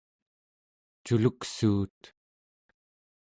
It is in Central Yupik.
culuksuut